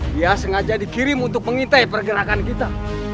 dia sengaja dikirim untuk mengintai pergerakan kita